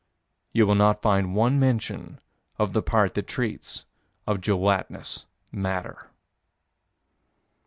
You will not find one mention of the part that treats of gelatinous matter.